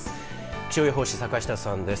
気象予報士、坂下さんです。